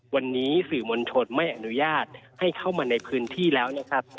วันนี้สื่อมวลชนไม่อนุญาตให้เข้ามาในพื้นที่แล้วนะครับ